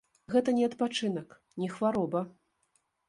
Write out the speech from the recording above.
Гэта не адпачынак, не хвароба.